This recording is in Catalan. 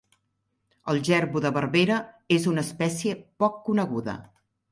El jerbu de Berbera és una espècia poc coneguda.